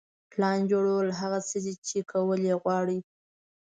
پلان جوړول هغه څه دي چې کول یې غواړئ.